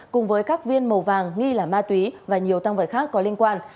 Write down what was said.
cùng với các viên màu vàng nghi là ma túy và nhiều tăng vật khác có liên quan